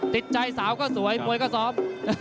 ติดใจสาวก็สวยมวยก็ซ้อม